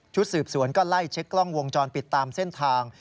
สืบสวนก็ไล่เช็คกล้องวงจรปิดตามเส้นทาง